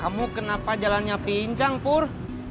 kamu kenapa jalannya pincang pur